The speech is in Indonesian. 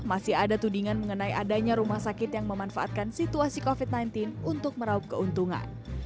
masih ada tudingan mengenai adanya rumah sakit yang memanfaatkan situasi covid sembilan belas untuk meraup keuntungan